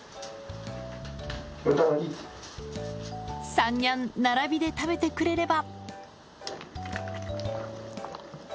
３ニャン、並びで食べてくれれば。